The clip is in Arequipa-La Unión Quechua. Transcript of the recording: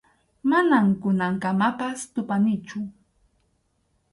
Manam kunankamapas tupanichu.